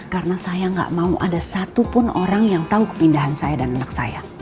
karena saya enggak mau ada satupun orang yang tahu kepindahan saya dan anak saya